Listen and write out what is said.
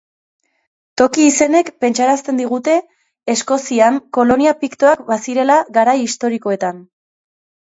Toki izenek pentsarazten digute Eskozian kolonia piktoak bazirela garai historikoetan.